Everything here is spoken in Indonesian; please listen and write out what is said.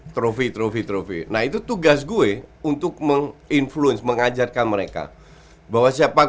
trofi trofi trofi nah itu tugas gue untuk meng influence mengajarkan mereka bahwa siapa